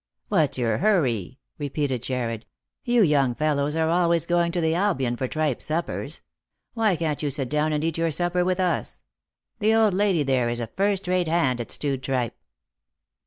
" What's your hurry ?" repeated Jarred. " You young fellows are always going to the Albion for tripe suppers. Why can't you sit down and eat your supper with us ? The old lady there is a first rate hand at stewed tripe."